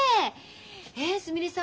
えすみれさん